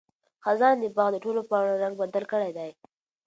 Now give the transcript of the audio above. خزان د باغ د ټولو پاڼو رنګ بدل کړی دی.